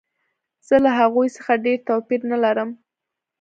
زه له هغوی څخه ډېر توپیر نه لرم